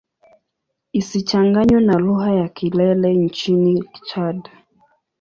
Isichanganywe na lugha ya Kilele nchini Chad.